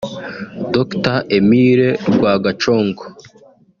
Dr Emile Rwagacongo